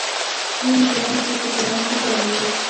ټولو شیانو ته په پلان کې ځای و.